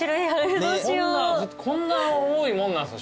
こんな多いもんなんすか？